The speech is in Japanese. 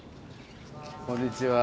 こんにちは。